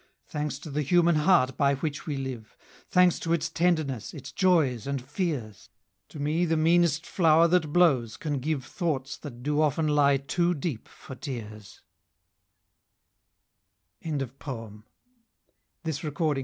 Thanks to the human heart by which we live, 205 Thanks to its tenderness, its joys, and fears, To me the meanest flower that blows can give Thoughts that do often lie too deep for tears.